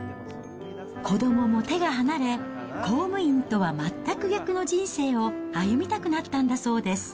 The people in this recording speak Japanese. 子どもも手が離れ、公務員とは全く逆の人生を歩みたくなったんだそうです。